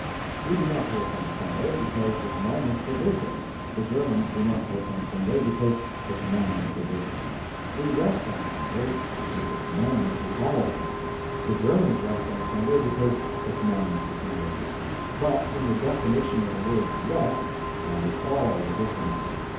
We do not work on Sunday, because the commandment forbids it; the Germans do not work on Sunday, because the commandment forbids it. We rest on Sunday, because the commandment requires it; the Germans rest on Sunday because the commandment requires it. But in the definition of the word "rest" lies all the difference.